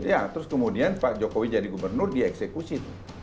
ya terus kemudian pak jokowi jadi gubernur dia eksekusi